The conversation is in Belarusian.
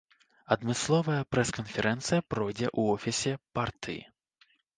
Адмысловая прэс-канферэнцыя пройдзе ў офісе партыі.